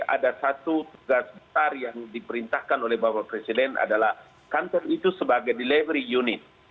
ada satu tugas besar yang diperintahkan oleh bapak presiden adalah kantor itu sebagai delivery unit